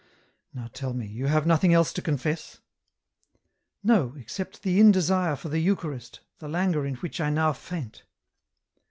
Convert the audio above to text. Now tell me ; you have nothing else to confess ?"" No, except the indesire for the Eucharist, the languor in which I now faint."